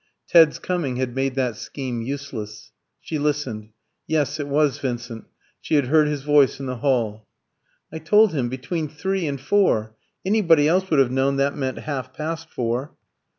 Ted's coming had made that scheme useless. She listened. Yes, it was Vincent; she had heard his voice in the hall. "I told him between three and four. Anybody else would have known that meant half past four."